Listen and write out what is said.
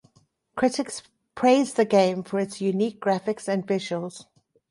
Critics praise the game for its unique graphics and visuals.